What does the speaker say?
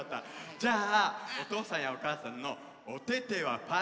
じゃあおとうさんやおかあさんのおててはパンになって。